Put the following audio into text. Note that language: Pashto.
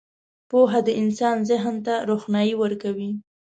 • پوهه د انسان ذهن ته روښنايي ورکوي.